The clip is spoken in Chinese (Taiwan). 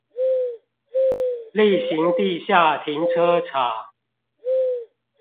力行地下停車場